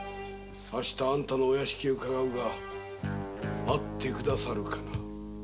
あしたあんたのお屋敷に伺うが会って下さるかな。